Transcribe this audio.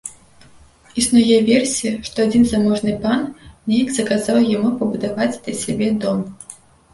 Існуе версія, што адзін заможны пан неяк заказаў яму пабудаваць для сябе дом.